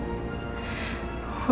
aku ingin andi tetap hidup